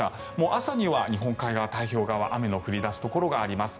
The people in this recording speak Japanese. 朝には日本海側、太平洋側雨の降り出すところがあります。